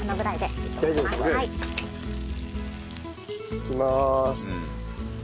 いきまーす。